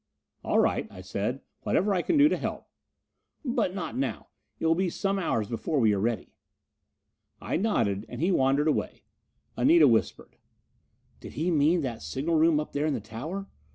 "All right," I said. "Whatever I can do to help...." "But not now. It will be some hours before we are ready." I nodded, and he wandered away. Anita whispered: "Did he mean that signal room up here in the tower?